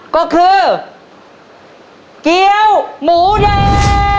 ก็คือเกี้ยวหมูแดง